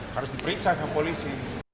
harus diperiksa sama polisi